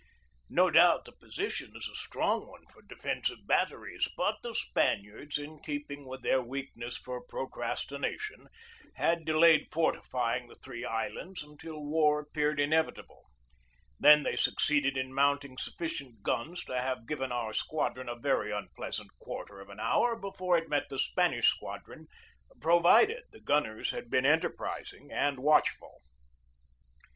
No doubt the position is a strong one for defen sive batteries, but the Spaniards, in keeping with their weakness for procrastination, had delayed for tifying the three islands until war appeared inevi 197 i 9 8 GEORGE DEWEY table. Then they succeeded in mounting sufficient guns to have given our squadron a very unpleasant quarter of an hour before it met the Spanish squad ron, provided the gunners had been enterprising and watchful.